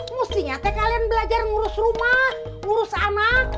mestinya teh kalian belajar ngurus rumah ngurus anak